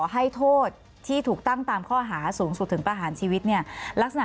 ให้โทษที่ถูกตั้งตามข้อหาสูงสุดถึงประหารชีวิตเนี่ยลักษณะ